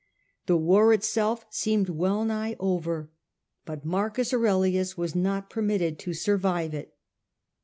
The war itself seemed well nigh over, but M. Aurelius was not permitted to survive it.